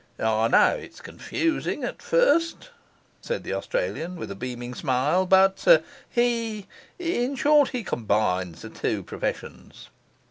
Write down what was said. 'I know it's confusing at first,' said the Australian, with a beaming smile. 'But he in short, he combines the two professions.